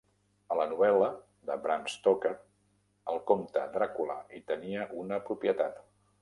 A la novel·la de Bram Stoker, el compte Dràcula hi tenia una propietat.